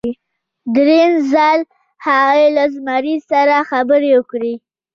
دریم ځل هغې له زمري سره خبرې وکړې.